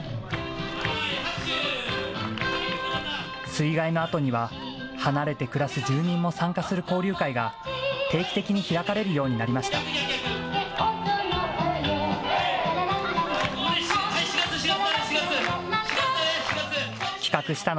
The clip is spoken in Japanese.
水害のあとには、離れて暮らす住民も参加する交流会が定期的に開かれるようになりました。